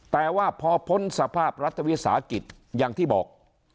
แต่ว่าพอพ้นสภาพรัฐวิสาหกิจอย่างที่บอก